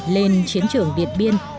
lên chiến trường điện biên